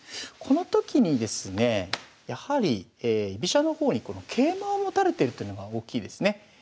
この時にですねやはり居飛車の方にこの桂馬を持たれてるというのが大きいですね。